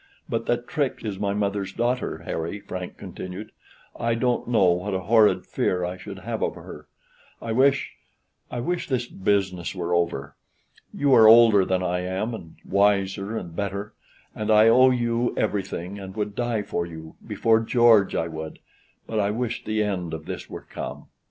But that Trix is my mother's daughter, Harry," Frank continued, "I don't know what a horrid fear I should have of her. I wish I wish this business were over. You are older than I am, and wiser, and better, and I owe you everything, and would die for you before George I would; but I wish the end of this were come."